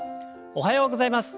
おはようございます。